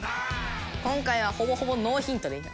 今回はほぼほぼノーヒントでいきます。